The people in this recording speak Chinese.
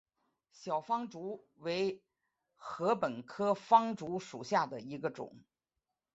小方竹为禾本科方竹属下的一个种。